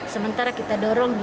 sementara kita berhentikan